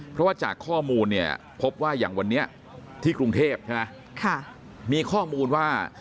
เพราะว่าจากข้อมูลเนี่ยพบว่าอย่างวันนี้ที่กรุงเทพใช่ไหมมีข้อมูลว่า